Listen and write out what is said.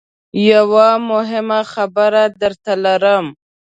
یوه مهمه خبره درته لرم .